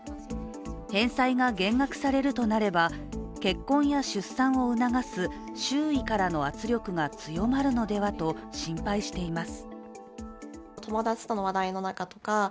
返済が減額されるとなれば結婚や出産を促す周囲からの圧力が強まるのではと心配しています。